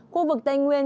khu vực tây nguyên